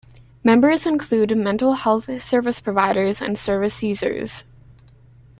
Members include mental health service providers and service users.